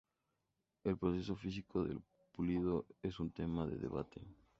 El proceso físico del pulido es un tema de debate.